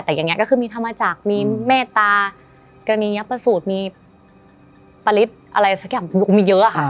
แต่อย่างเงี้ยก็คือมีธรรมจักษ์มีแม่ตาก็มียาปสูตรมีปริศอะไรสักอย่างมีเยอะค่ะ